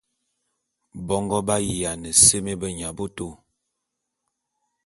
Bongo ba’ayiana seme beyaboto.